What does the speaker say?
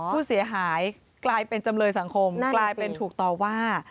ผู้เสียหายกลายเป็นจำเลยสังคมกลายเป็นถูกต่อว่า